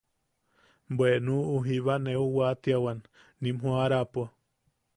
Bwe nuʼu jiba neu watiawan nim joʼarapo: